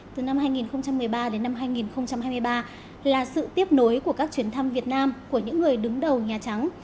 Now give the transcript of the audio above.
từ năm hai nghìn một mươi ba đến năm hai nghìn hai mươi ba là sự tiếp nối của các chuyến thăm việt nam của những người đứng đầu nhà trắng